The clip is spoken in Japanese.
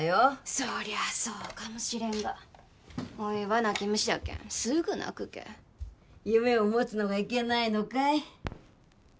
そりゃそうかもしれんがおいは泣き虫じゃけんすぐ泣くけ夢を持つのがいけないのかい？